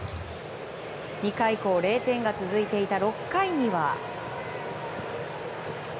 ２回以降、０点が続いていた６回には。